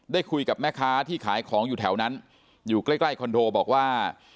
ได้คุยกับแม่ค้าที่ขายของอยู่แถวนั้นอยู่ใกล้ใกล้คอนโดบอกว่า